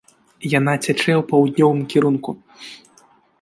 Яна цячэ ў паўднёвым кірунку.